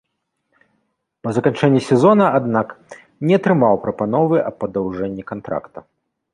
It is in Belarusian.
Па заканчэнні сезона, аднак, не атрымаў прапановы аб падаўжэнні кантракта.